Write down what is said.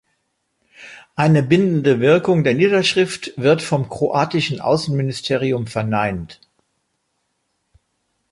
Eine bindende Wirkung der Niederschrift wird vom kroatischen Außenministerium verneint.